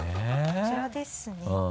こちらですね。